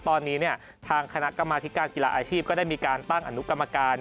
ตอนนี้ทางคณะกรรมธิการกีฬาอาชีพก็ได้มีการตั้งอนุกรรมการ